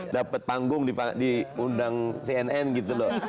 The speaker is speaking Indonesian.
dapet panggung di undang cnn gitu loh